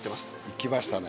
いきましたね。